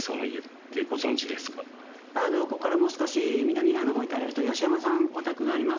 ここからもう少し南側の方に行かれるとヨシヤマさんお宅があります。